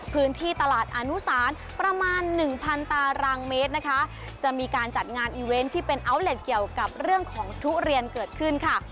พื้นที่ตลาดอนุสารประมาณหนึ่งพันตารางเมตรนะคะจะมีการจัดงานอีเวนต์ที่เป็นอัลเล็ตเกี่ยวกับเรื่องของทุเรียนเกิดขึ้นค่ะ